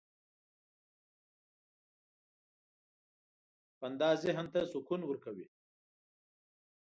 • خندا ذهن ته سکون ورکوي.